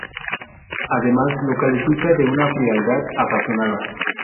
Además lo califica de una frialdad apasionada.